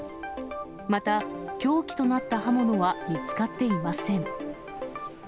また凶器となった刃物は見つかっていません。